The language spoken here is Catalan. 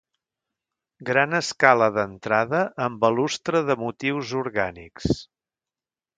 Gran escala d'entrada amb balustre de motius orgànics.